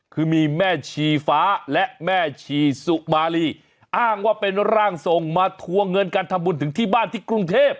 คือมีแม่ชีฟ้าและแม่ชีสุมารีอ้างว่าเป็นร่างทรงมาทวงเงินการทำบุญถึงที่บ้านที่กรุงเทพ